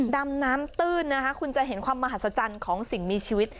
ดำน้ำตื้นนะคะคุณจะเห็นความมหัศจรรย์ของสิ่งมีชีวิต